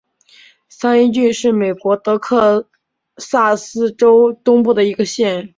三一郡是美国德克萨斯州东部的一个县。